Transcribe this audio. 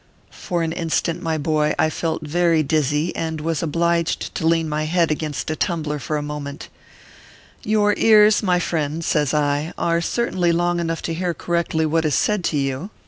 For an instant, my boy, I felt very dizzy, and was obliged to lean my head against a tumbler for a mo ment. " Your ears, my friend/ says I, " are certainly long enough to hear correctly what is said to you ; ORPHEUS C.